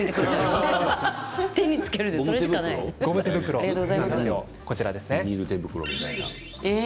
ゴム手袋です。